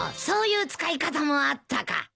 そういう使い方もあったか。